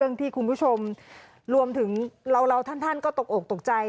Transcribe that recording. เรื่องที่คุณผู้ชมรวมถึงเราท่านก็ตกอกตกใจ